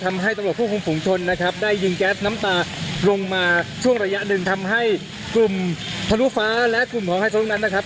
ทำให้ตำรวจควบคุมฝุงชนนะครับได้ยิงแก๊สน้ำตาลงมาช่วงระยะหนึ่งทำให้กลุ่มทะลุฟ้าและกลุ่มของไฮโซนั้นนะครับ